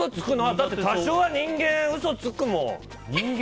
多少は人間、嘘つくもん。